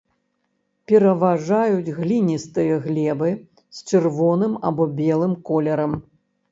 Пераважаюць гліністыя глебы з чырвоным або белым колерам.